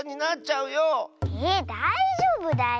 えだいじょうぶだよ。